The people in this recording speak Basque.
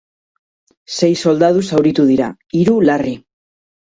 Sei soldadu zauritu dira, hiru larri.